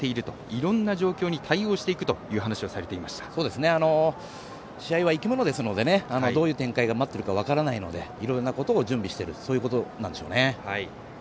いろんな状況に対応していく試合は生き物ですのでどういう展開が待ってるか分からないのでいろんなことを準備しているということなんでしょうね。